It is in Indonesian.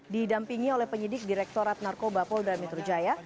didampingi oleh penyidik direktorat narkoba polda metro jaya